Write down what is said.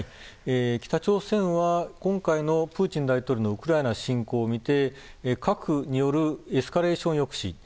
北朝鮮は今回のプーチン大統領のウクライナ侵攻をみて核によるエスカレーション抑止